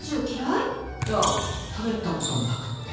いや食べたことなくって。